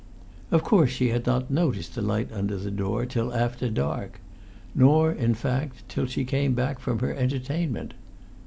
Of course she had not noticed the light under the door till after dark; not, in fact, till she came back from her entertainment.